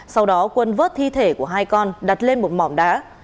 sau đó quân vớt thi thể của hai con đặt lên một mỏm đá